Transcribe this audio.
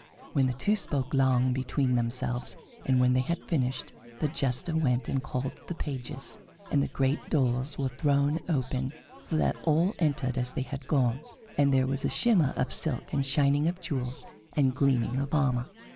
Then the two spoke long between themselves, and when they had finished, the Jester went and called the pages, and the great doors were thrown open, so that all entered as they had gone, and there was shimmer of silk and shining of jewels and gleaming of armor.